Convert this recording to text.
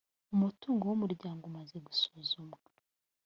umutungo w umuryango umaze gusuzumwa